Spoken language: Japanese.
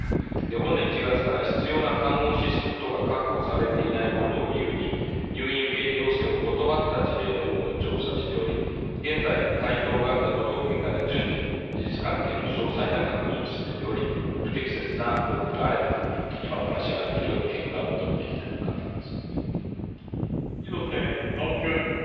本年１月から必要な看護師数等が確保されていないことを理由に、入院受け入れ要請を断った事例の有無を調査しており、現在、回答があった都道府県から順次、事実関係の詳細な確認を進めており、不適切な交付があれば、今お話があったように返還を求めていきた猪瀬直樹君。